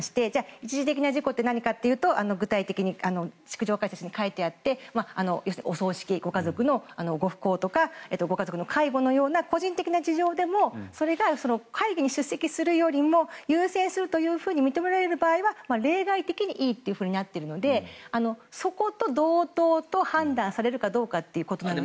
一時的な事故というのは何かというと具体的に逐条解釈に書いてあってお葬式、ご家族のご不幸とかご家族の介護のような個人的な事情でもそれが会議に出席するよりも優先すると認められる場合は例外的にいいとなっているのでそこと同等と判断されるかどうかということなので。